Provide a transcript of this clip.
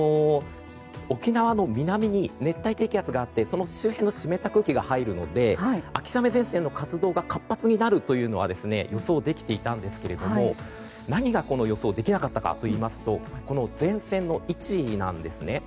沖縄の南に熱帯低気圧があってその周辺の湿った空気が入るので秋雨前線の活動が活発になるというのは予想できていたんですけど何が予想できなかったかというと前線の位置なんですね。